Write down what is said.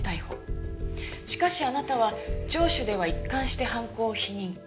しかしあなたは聴取では一貫して犯行を否認。